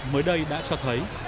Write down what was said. mới đây đã cho thấy